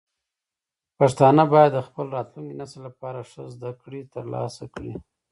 پښتانه باید د خپل راتلونکي نسل لپاره ښه زده کړې ترلاسه کړي.